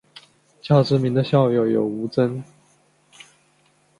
较知名的校友有吴峥。